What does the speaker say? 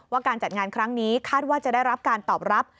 การจัดงานครั้งนี้คาดว่าจะได้รับการตอบรับ